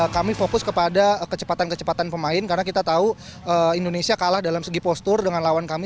kami fokus kepada kecepatan kecepatan pemain karena kita tahu indonesia kalah dalam segi postur dengan lawan kami